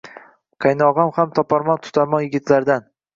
Qaynog‘ang ham toparmon-tutarmon yigitlardan